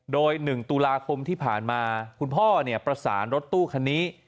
โดย๑ตุลาคมที่ผ่านมาคุณพ่อประสานรถตู้คันนี้